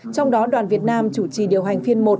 trong đó đoàn việt nam chủ trì điều hành phiên một